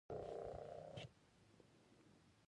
تالابونه د افغانانو د تفریح یوه ښه وسیله ده.